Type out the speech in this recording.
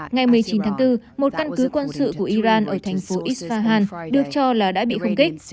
ngày một mươi chín tháng bốn một căn cứ quân sự của iran ở thành phố isfahan được cho là đã bị khung kích